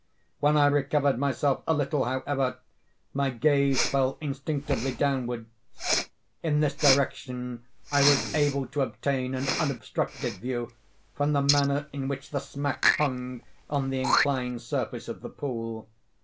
When I recovered myself a little, however, my gaze fell instinctively downward. In this direction I was able to obtain an unobstructed view, from the manner in which the smack hung on the inclined surface of the pool.